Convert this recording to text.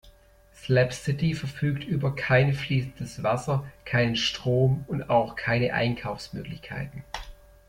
Slab City verfügt über kein fließendes Wasser, keinen Strom und auch keine Einkaufsmöglichkeiten.